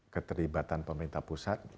keterlibatan pemerintah pusat